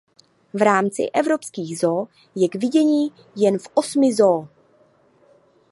V rámci evropských zoo je k vidění jen v osmi zoo.